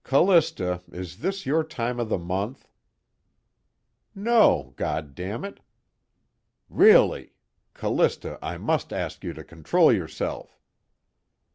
"Callista, is this your time of the month?" "No, God damn it." "Really! Callista, I must ask you to control yourself."